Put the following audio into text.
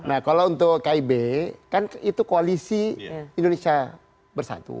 nah kalau untuk kib kan itu koalisi indonesia bersatu